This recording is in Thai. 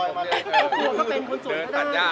เห็นหน้าคนสวนลอยมา